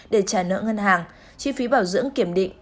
để trả nợ ngân hàng chi phí bảo dưỡng kiểm định